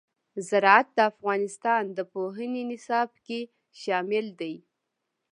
زراعت د افغانستان د پوهنې نصاب کې شامل دي.